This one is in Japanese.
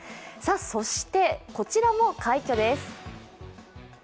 そして、こちらも快挙です。